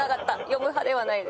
読む派ではないです。